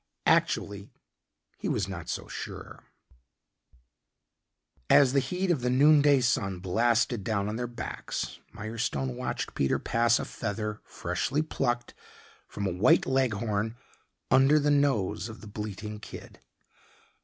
Actually he was not so sure.... As the heat of the noon day sun blasted down on their backs, Mirestone watched Peter pass a feather, freshly plucked from a white Leghorn, under the nose of the bleating kid.